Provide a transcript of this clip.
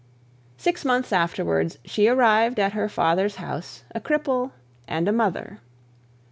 Six months afterwards she arrived at her father's house a cripple and a mother.